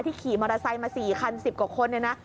ที่ขี่มอเตอร์ไซค์มา๔คัน๑๐กับคน